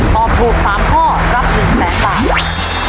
ตอบถูก๓ข้อรับ๑แสนบาท